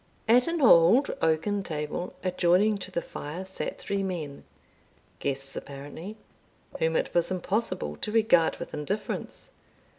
At an old oaken table, adjoining to the fire, sat three men, guests apparently, whom it was impossible to regard with indifference.